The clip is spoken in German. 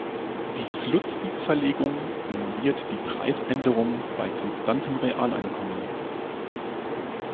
Die Slutsky-Zerlegung simuliert die Preisänderung bei konstantem Realeinkommen.